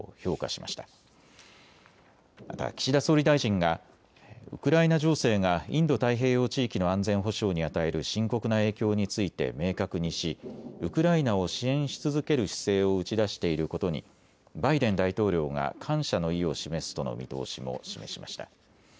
また岸田総理大臣がウクライナ情勢がインド太平洋地域の安全保障に与える深刻な影響について明確にしウクライナを支援し続ける姿勢を打ち出していることにバイデン大統領が感謝の意を示すとの見通しも示しました。